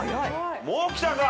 もうきたか。